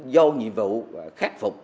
do nhiệm vụ khắc phục